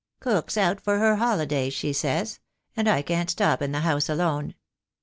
'Cook's out for her holiday,' she says, 'and I can't stop in the house alone.'